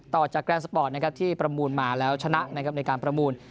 ต่อจากแกร่งสปอร์ตที่ประมูลมาแล้วชนะในการประมูล